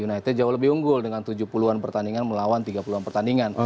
united jauh lebih unggul dengan tujuh puluh an pertandingan melawan tiga puluh an pertandingan